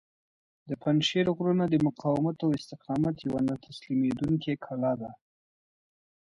د پنجشېر غرونه د مقاومت او استقامت یوه نه تسلیمیدونکې کلا ده.